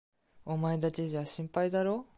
お前だけじゃ心配だろう？